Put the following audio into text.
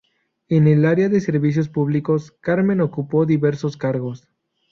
En el área de servicios públicos, Carmen ocupó diversos cargos.